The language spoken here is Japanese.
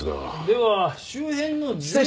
では周辺の全体。